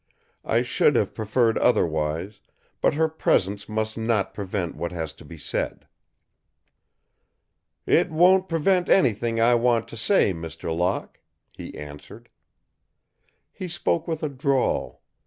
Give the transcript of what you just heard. I should have preferred otherwise, but her presence must not prevent what has to be said." "It won't prevent anything I want to say, Mr. Locke," he answered. He spoke with a drawl.